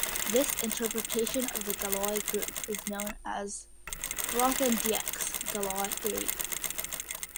This interpretation of the Galois group is known as Grothendieck's Galois theory.